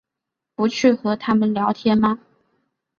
不去和他们聊天吗？